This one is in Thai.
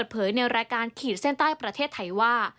เผยในรายการขีดเส้นใต้ประเทศไทยว่า